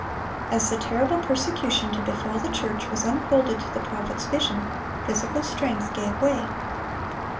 As the terrible persecution to befall the church was unfolded to the prophet's vision, physical strength gave way.